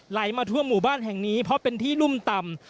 ไหลมาทั่วหมู่บ้านแห่งนี้เพราะเป็นที่นุ่มต่ำ